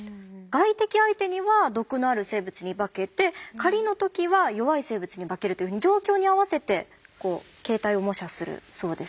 外敵相手には毒のある生物に化けて狩りの時は弱い生物に化けるというふうに状況に合わせて形態を模写するそうですね。